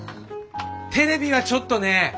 テレビはちょっとね。